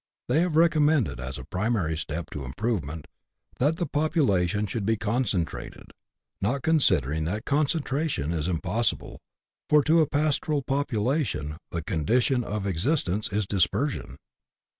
They have recommended, as a primary step to improvement, that the population should be concentrated, not considering that con centration is impossible, for to a pastoral population the con dition of existence is dispersion.